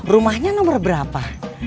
rumahnya nomor berapa